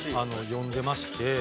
読んでまして。